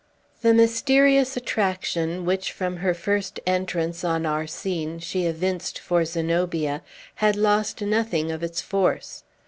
The mysterious attraction, which, from her first entrance on our scene, she evinced for Zenobia, had lost nothing of its force.